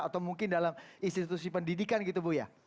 atau mungkin dalam institusi pendidikan gitu buya